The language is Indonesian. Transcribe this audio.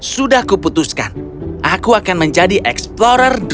sudah kuputuskan aku akan menjadi eksplorasi